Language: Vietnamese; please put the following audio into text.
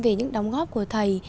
về những đóng góp của thầy